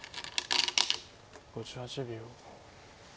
５８秒。